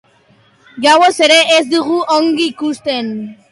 Gauez ere ez du ongi ikusten.